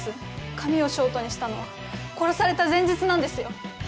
髪をショートにしたのは殺された前日なんですよ。